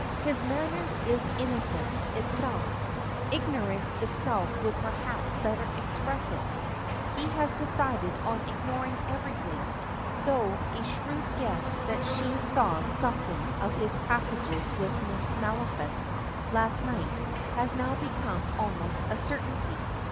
His manner is innocence itself; ignorance itself would perhaps better express it. He has decided on ignoring everything; though a shrewd guess that she saw something of his passages with Miss Maliphant last night has now become almost a certainty.